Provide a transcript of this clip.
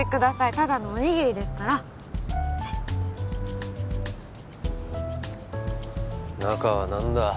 ただのおにぎりですからはい中は何だ？